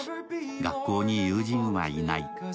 学校に友人はいない。